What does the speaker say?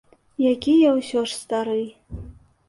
Які я ўсё ж стары.